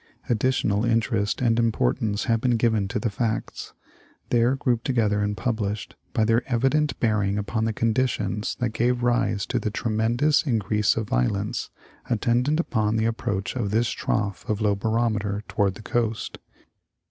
Additional interest and importance have been given to the facts, there grouped together and published, by their evident bearing upon the conditions that gave rise to the tremendous increase of violence attendant upon the approach of this trough of low barometer toward the coast.